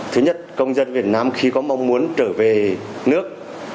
thứ nhất công dân việt nam khi có mong muốn trở về nước